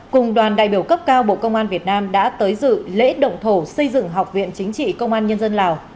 cùng đoàn đại biểu cấp cao bộ công an việt nam đã tới dự lễ động thổ xây dựng học viện chính trị công an nhân dân lào